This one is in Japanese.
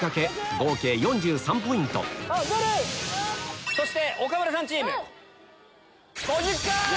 合計４３ポイントそして岡村さんチーム。